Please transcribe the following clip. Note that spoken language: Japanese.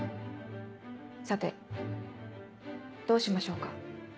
さてどうしましょうか？